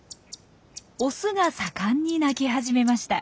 オスが盛んに鳴き始めました。